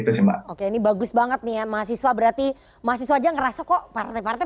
oke ini bagus banget nih ya mahasiswa berarti mahasiswa aja ngerasa kok partai partai